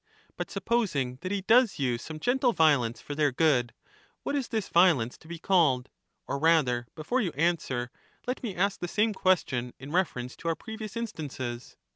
But supposing that he does use some violence, gentle violence for their good, what is this violence to be harm? called ? Or rather, before you answer, let me ask the same question in reference to our previous instances.